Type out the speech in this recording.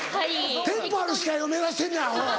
テンポある司会を目指してんねんアホ。